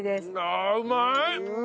ああうまい！